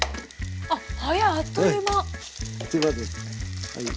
あっ早いあっという間。